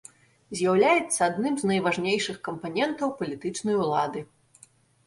З'яўляецца адным з найважнейшых кампанентаў палітычнай улады.